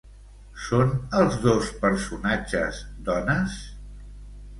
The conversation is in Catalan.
Són els dos personatges dones?